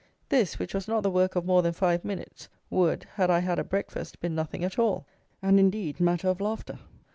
This, which was not the work of more than five minutes, would, had I had a breakfast, have been nothing at all, and, indeed, matter of laughter.